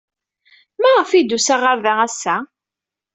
Maɣef ay d-tusa ɣer da ass-a?